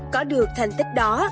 có được thành tích đó